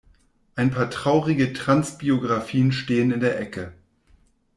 Ein paar traurige Trans-Biografien stehen in der Ecke.